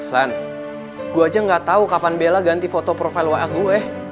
lan gue aja gak tau kapan bella ganti foto profile wa gue